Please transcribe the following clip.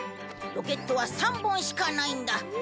ロケットは３本しかないんだ。